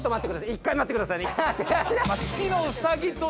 １回待ってくださいね。